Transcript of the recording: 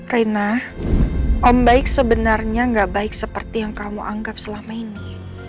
rena om baik sebenarnya gak baik seperti yang kamu anggap selama ini